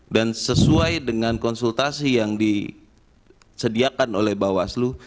dan sesuai dengan konsultasi yang disediakan oleh bawaslu